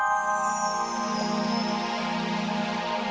aku sudah tidak ingin pergi dari rumah tufa